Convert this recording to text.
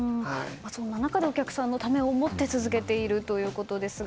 そんな中でお客さんのためを思って続けているということですが。